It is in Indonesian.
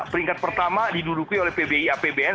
peringkat pertama diduduki oleh pbi apbn